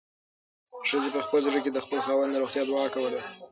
ښځې په خپل زړه کې د خپل خاوند د روغتیا دعا کوله.